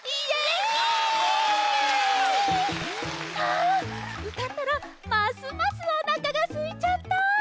あうたったらますますおなかがすいちゃった。